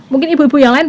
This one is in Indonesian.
mungkin ibu ibu yang lain